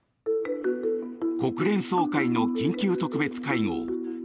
国連総会の緊急特別会合。